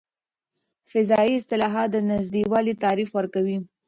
فضايي اصطلاحات د نږدې والي تعریف ورکوي.